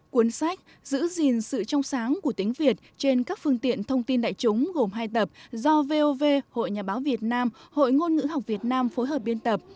cuốn sách giữ gìn sự trong sáng của tiếng việt trên các phương tiện thông tin đại chúng gồm hai tập do vov hội nhà báo việt nam hội ngôn ngữ học việt nam phối hợp biên tập